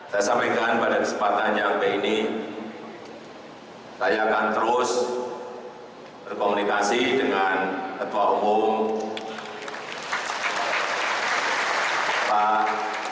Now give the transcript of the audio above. saya sampaikan pada kesempatan yang sampai ini saya akan terus berkomunikasi